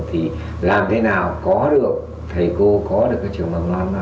thì làm thế nào có được thầy cô có được cái trường mầm non